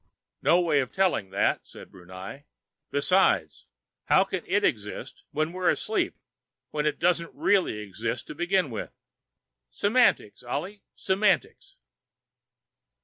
"No way of telling that," said Brunei. "Besides, how can it exist when we're asleep, when it doesn't really exist to begin with?" "Semantics, Ollie, semantics."